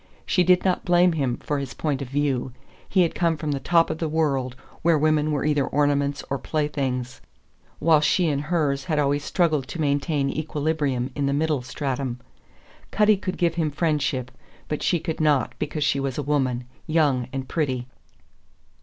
She did not blame him for his point of view. He had come from the top of the world, where women were either ornaments or playthings, while she and hers had always struggled to maintain equilibrium in the middle stratum. Cutty could give him friendship; but she could not because she was a woman, young and pretty.